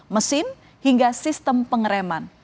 mesin hingga sistem pengereman